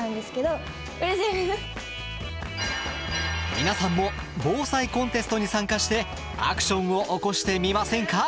皆さんも防災コンテストに参加してアクションを起こしてみませんか？